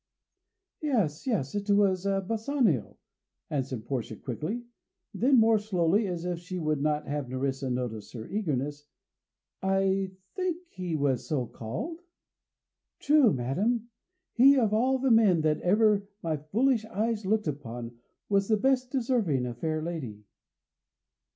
"Yes, yes, it was Bassanio," answered Portia quickly; then, more slowly, as if she would not have Nerissa notice her eagerness, "I think he was so called." "True, madam. He, of all the men that ever my foolish eyes looked upon, was the best deserving a fair lady."